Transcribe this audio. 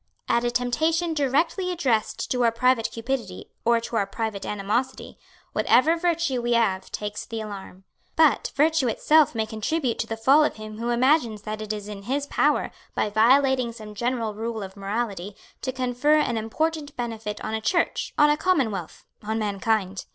At a temptation directly addressed to our private cupidity or to our private animosity, whatever virtue we have takes the alarm. But, virtue itself may contribute to the fall of him who imagines that it is in his power, by violating some general rule of morality, to confer an important benefit on a church, on a commonwealth, on mankind.